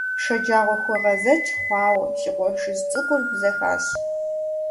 ШэджагъуэхуегъэзэкӀ хъуауэ си къуэшыжь цӀыкӀур бзэхащ.